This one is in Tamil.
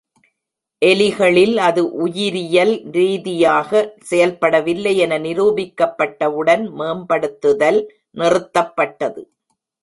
எலிகளில் அது உயிரியல் ரீதியாக செயல்படவில்லை என நிரூபிக்கப்பட்டவுடன் மேம்படுத்துதல் நிறுத்தப்பட்டது.